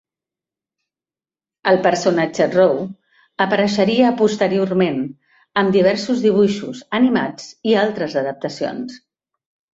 El personatge Roo apareixeria posteriorment en diversos dibuixos animats i altres adaptacions.